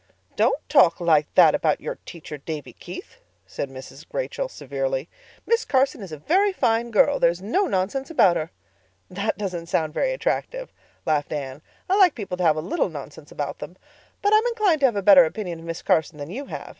"Don't talk like that about your teacher, Davy Keith," said Mrs. Rachel severely. "Miss Carson is a very fine girl. There is no nonsense about her." "That doesn't sound very attractive," laughed Anne. "I like people to have a little nonsense about them. But I'm inclined to have a better opinion of Miss Carson than you have.